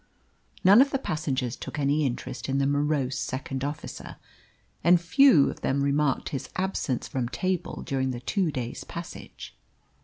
None of the passengers took any interest in the morose second officer, and few of them remarked his absence from table during the two days' passage.